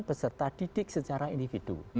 peserta didik secara individu